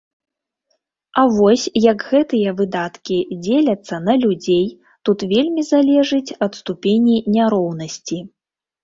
А вось як гэтыя выдаткі дзеляцца на людзей, тут вельмі залежыць ад ступені няроўнасці.